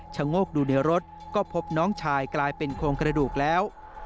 โงกดูในรถก็พบน้องชายกลายเป็นโครงกระดูกแล้ว